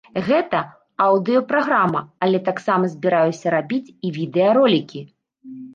Гэта аўдыё-праграма, але таксама збіраюся рабіць і відэа ролікі.